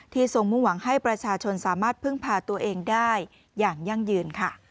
ทรงมุ่งหวังให้ประชาชนสามารถพึ่งพาตัวเองได้อย่างยั่งยืนค่ะ